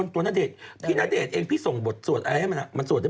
สวดหมดเลยใช่มั้งค่ะ